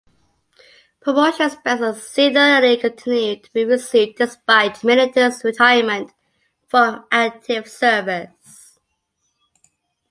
Promotions based on seniority continued to be received, despite Middleton's retirement from active service.